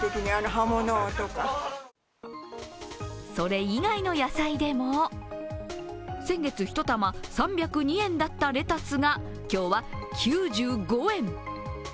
それ以外の野菜でも先月１玉３０２円だったレタスが今日は９５円。